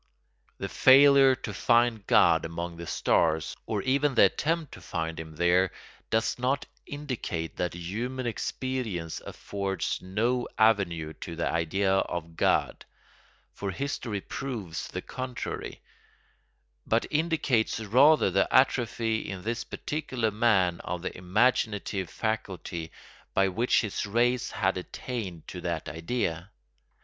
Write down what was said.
The failure to find God among the stars, or even the attempt to find him there, does not indicate that human experience affords no avenue to the idea of God—for history proves the contrary—but indicates rather the atrophy in this particular man of the imaginative faculty by which his race had attained to that idea.